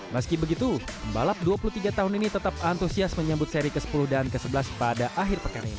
meski begitu pembalap dua puluh tiga tahun ini tetap antusias menyambut seri ke sepuluh dan ke sebelas pada akhir pekan ini